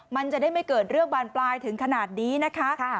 มันจะได้ไม่เกิดเรื่องบานปลายถึงขนาดนี้นะคะ